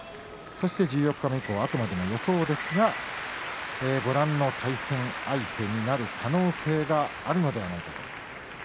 十四日目以降はあくまでも予想ですがご覧の対戦相手になる可能性があるのではないかと。